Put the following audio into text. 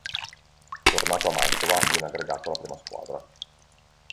Tornato a Mantova, viene aggregato alla prima squadra.